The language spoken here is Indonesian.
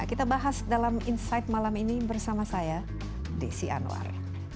kita bahas dalam insight malam ini bersama saya desi anwar